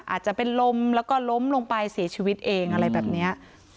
อาจจะเป็นลมแล้วก็ล้มลงไปเสียชีวิตเองอะไรแบบนี้